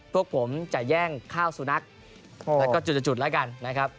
พวกผมจะแย่งข้าวสุนัขแล้วก็จุดแล้วกันนะครับ